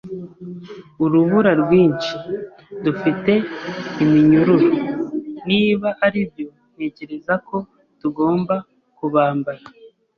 Urubura rwinshi. Dufite iminyururu? Niba aribyo, ntekereza ko tugomba kubambara.